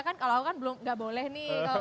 kalau aku kan belum gak boleh nih